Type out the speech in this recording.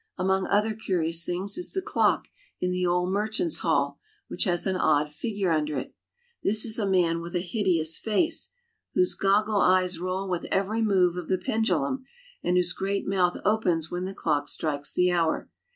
Among other curious things is the clock in the old Merchants' Hall, which has an odd figure under it. This is a man with a hideous face, whose goggle eyes roll with every move of the pendulum, and whose great mouth opens when the clock strikes the hour.